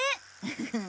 フフフ。